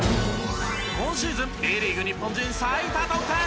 今シーズンＢリーグ日本人最多得点